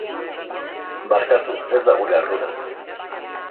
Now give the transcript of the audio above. Barkatu, ez da gure ardura.